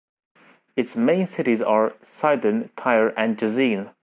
Its main cities are Sidon, Tyre and Jezzine.